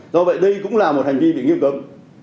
do vậy đây cũng là một hành vi bị nghiêm cấm